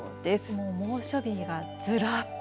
もう猛暑日がずらっと。